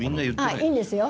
いいんですよ。